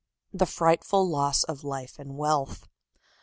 The Frightful Loss of Life and Wealth.